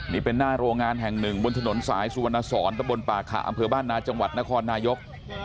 นี่เป็นหน้าโรงงานแห่งหนึ่งบนถนนสายสุวรรณสอนตะบนป่าขะอำเภอบ้านนาจังหวัดนครนายก